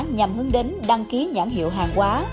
nhằm hướng đến đăng ký nhãn hiệu hàng quá